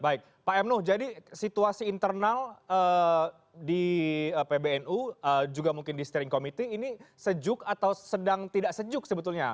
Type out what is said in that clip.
baik pak mnu jadi situasi internal di pbnu juga mungkin di steering committee ini sejuk atau sedang tidak sejuk sebetulnya